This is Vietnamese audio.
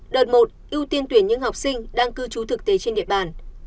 đợt một ưu tiên tuyển những học sinh đang cư trú thực tế trên địa bàn